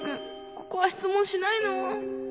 ここは質問しないの？